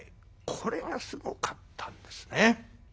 これがすごかったんですね。